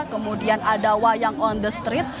kemudian ada wayang on the street